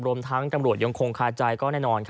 รวมทั้งตำรวจยังคงคาใจก็แน่นอน